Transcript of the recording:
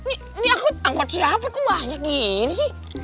ini angkot siapa kok banyak gini